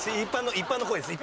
一般の声です。